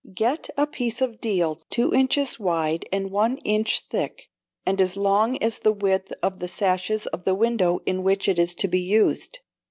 Get a piece of deal two inches wide and one inch thick, and as long as the width of the sashes of the window in which it is to be used.